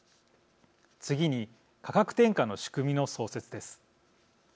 次に価格転嫁の仕組みの創設です。